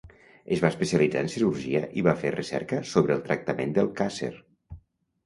Es va especialitzar en cirurgia y va fer recerca sobre el tractament del càcer.